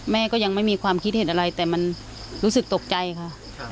แม่ก็ยังไม่มีความคิดเห็นอะไรแต่มันรู้สึกตกใจค่ะ